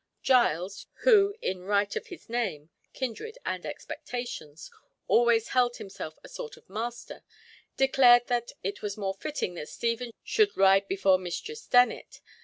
Giles, who, in right of his name, kindred, and expectations, always held himself a sort of master, declared that "it was more fitting that Stephen should ride before Mistiness Dennet."